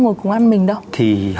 sự kỳ thị